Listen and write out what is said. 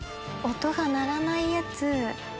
音が鳴らないやつ。